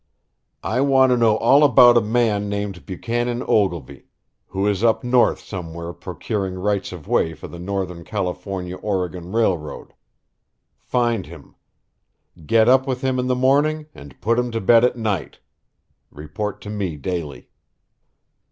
"I want to know all about a man named Buchanan Ogilvy, who is up north somewhere procuring rights of way for the Northern California Oregon Railroad. Find him. Get up with him in the morning and put him to bed at night. Report to me daily."